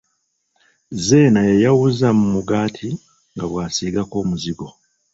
Zeena yayawuza mu mugaati nga bw'asiigako omuzigo.